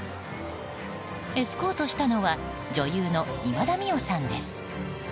エスコートしたのは女優の今田美桜さんです。